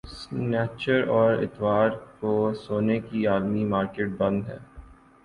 سنیچر اور اتوار کو سونے کی عالمی مارکیٹ بند ہے